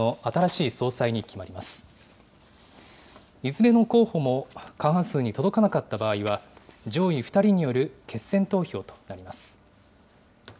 いずれの候補も過半数に届かなかった場合は、上位２人による決選投票となります。